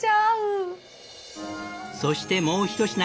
そしてもうひと品